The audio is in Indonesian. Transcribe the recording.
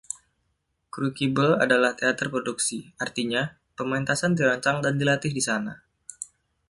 Crucible adalah teater produksi, artinya, pementasan dirancang dan dilatih di sana.